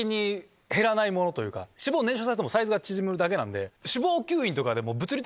脂肪燃焼させてもサイズが縮まるだけなんで。